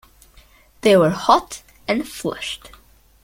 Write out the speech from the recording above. They were hot and flushed.